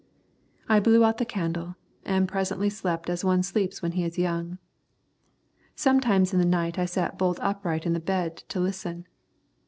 I blew out the candle, and presently slept as one sleeps when he is young. Sometime in the night I sat bolt upright in the good bed to listen.